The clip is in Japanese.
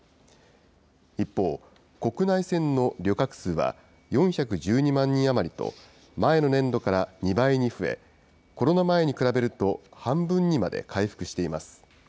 一方、国内線の旅客数は４１２万人余りと前の年度から２倍に増え、コロナ前に比べると半分にまで回復しています。